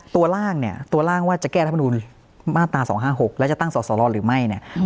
ร่างเนี่ยตัวร่างว่าจะแก้รัฐมนุนมาตรา๒๕๖แล้วจะตั้งสอสรหรือไม่เนี่ย